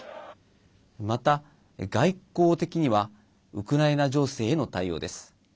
また、外交的にはウクライナ情勢への対応です。